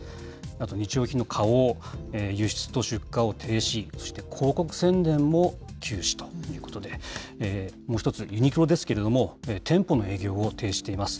あと日用品の花王、輸出と出荷を停止、そして広告宣伝も休止ということで、もう１つ、ユニクロですけれども、店舗の営業を停止しています。